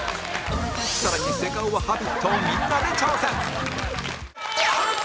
さらにセカオワ『Ｈａｂｉｔ』をみんなで挑戦わあ！